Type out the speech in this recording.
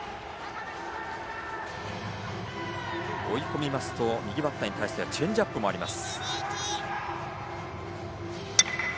追い込みますと右バッターに対してはチェンジアップもあります。